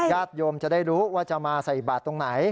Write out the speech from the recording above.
ญาติโยมจะได้รู้ว่าจะมาใส่บาทตรงไหน